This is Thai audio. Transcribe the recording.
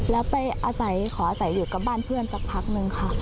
แล้วไปอาศัยขออาศัยอยู่กับบ้านเพื่อนสักพักนึงค่ะ